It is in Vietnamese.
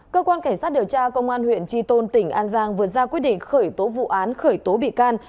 cơ quan cảnh sát điều tra công an huyện tri tôn tỉnh an giang vừa ra quyết định khởi tố vụ án khởi tố bị can